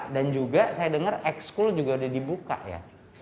dan juga saya dengar x school juga sudah dibuka ya